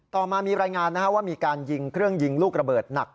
ต่อมามีรายงานว่ามีการยิงเครื่องยิงลูกระเบิดหนัก